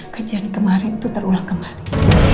kejadian kemarin itu terulang kembali